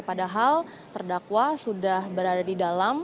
padahal terdakwa sudah berada di dalam